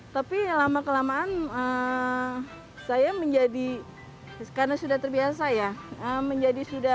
tapi lama kelamaan saya menjadi karena sudah terbiasa ya